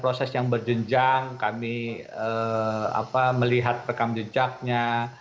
proses yang berjenjang kami melihat rekam jejaknya